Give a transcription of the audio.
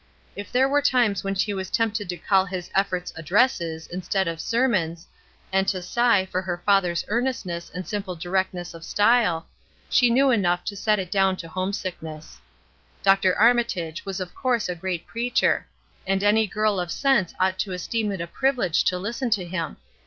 If there were times when she was tempted to call his efforts addresses, instead of sermons, and to sigh for her father's earnestness and simple directness of style, she knew enough to set it down to homesickness. Dr. Armitage was of course a great preacher, and any girl of sense ought to esteem it a privilege to listen to him.